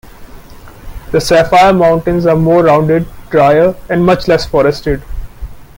The Sapphire Mountains are more rounded, drier, and much less forested.